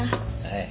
はい。